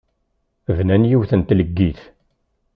Bnan yiwet n tleggit.